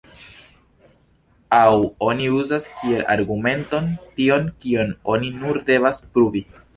Aŭ oni uzas kiel argumenton tion, kion oni nur devas pruvi.